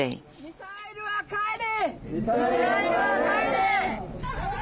ミサイルは帰れ。